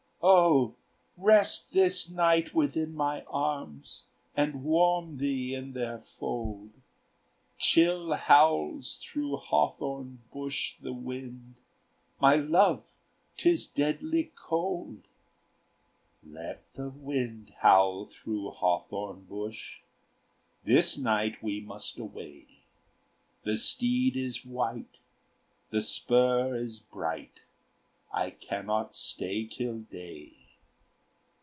"O rest this night within my arms, And warm thee in their fold! Chill howls through hawthorn bush the wind; My love is deadly cold." "Let the wind howl through hawthorn bush! This night we must away; The steed is wight, the spur is bright; I cannot stay till day.